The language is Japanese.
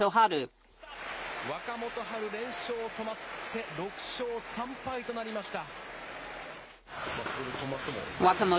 若元春、連勝止まって６勝３敗となりました。